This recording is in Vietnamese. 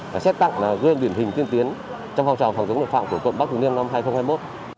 và xét tặng gương điển hình tiên tiến trong phong trào phòng chống lực phạm của quận bắc thứ liêm năm hai nghìn hai mươi một